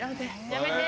やめて！